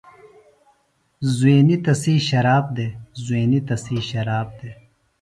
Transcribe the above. زُوینیۡ تسی شراب دےۡ زُوینی تسی شراب دےۡ۔